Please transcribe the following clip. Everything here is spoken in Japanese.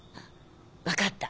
分かった。